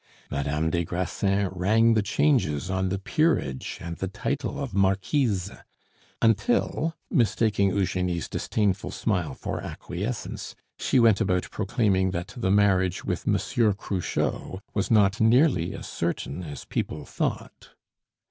Madame des Grassins rang the changes on the peerage and the title of marquise, until, mistaking Eugenie's disdainful smile for acquiescence, she went about proclaiming that the marriage with "Monsieur Cruchot" was not nearly as certain as people thought.